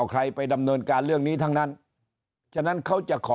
ใครไปดำเนินการเรื่องนี้ทั้งนั้นฉะนั้นเขาจะขอ